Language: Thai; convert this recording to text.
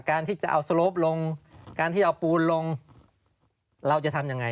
การที่จะเอาสลบลงการที่จะเอาปูนลงเราจะทำอย่างไร